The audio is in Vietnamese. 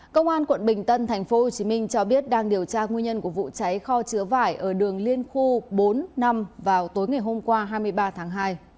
công an quận bình tân thành phố hồ chí minh cho biết đang điều tra nguyên nhân của vụ cháy kho chứa vải ở đường liên khu bốn năm vào tối ngày hôm qua hai mươi ba tháng hai